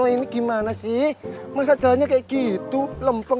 gini gimana sih kayak gitu lempeng